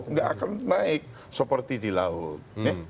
nggak akan naik seperti di laut